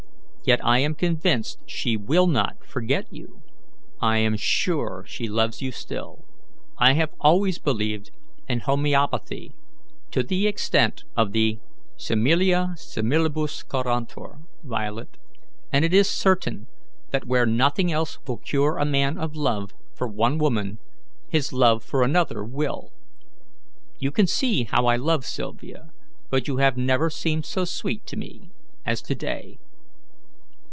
Yet I am convinced she will not forget you. I am sure she loves you still." "I have always believed in homoeopathy to the extent of the similia similibus curantur, Violet, and it is certain that where nothing else will cure a man of love for one woman, his love for another will. You can see how I love Sylvia, but you have never seemed so sweet to me as to day."